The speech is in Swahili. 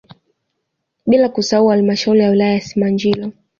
Bila kusahau halmashauri ya wilaya ya Simanjiro